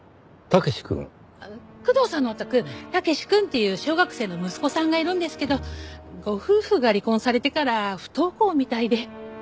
工藤さんのお宅武志くんっていう小学生の息子さんがいるんですけどご夫婦が離婚されてから不登校みたいで。